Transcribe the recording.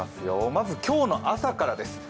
まず今日の朝からです。